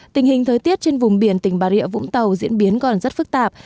tình hình thời tiết trên vùng biển tỉnh bà rịa vũng tàu diễn biến còn rất phức tạp